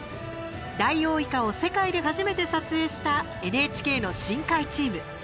ダイオウイカを世界で初めて撮影したＮＨＫの深海チーム。